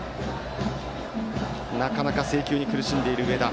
なかなか制球に苦しんでいる上田。